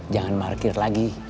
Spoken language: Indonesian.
jangan markir lagi